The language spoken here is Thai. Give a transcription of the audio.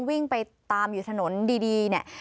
วิ่งไปตามอยู่ถนนดีเนี่ย